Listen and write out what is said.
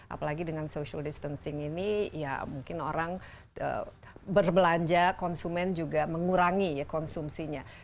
apalagi dengan social distancing ini ya mungkin orang berbelanja konsumen juga mengurangi konsumsinya